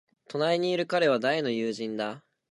隣にいる彼は大の友人だ。